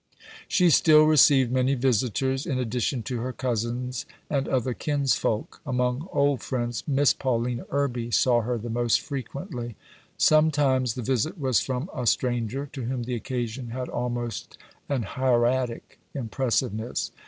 She still received many visitors, in addition to her cousins and other kinsfolk. Among old friends, Miss Paulina Irby saw her the most frequently. Sometimes the visit was from a stranger, to whom the occasion had almost an hieratic impressiveness.